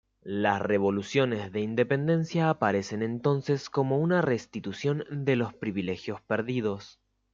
Las revoluciones de independencia aparecen entonces como una restitución de los privilegios perdidos.